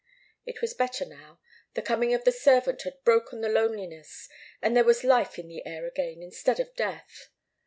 It was better now. The coming of the servant had broken the loneliness, and there was life in the air again, instead of death.